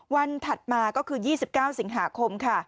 ถัดมาก็คือ๒๙สิงหาคมค่ะ